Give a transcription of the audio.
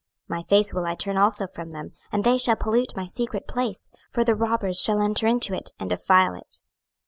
26:007:022 My face will I turn also from them, and they shall pollute my secret place: for the robbers shall enter into it, and defile it.